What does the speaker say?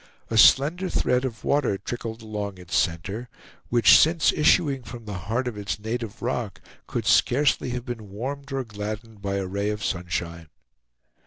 A slender thread of water trickled along its center, which since issuing from the heart of its native rock could scarcely have been warmed or gladdened by a ray of sunshine.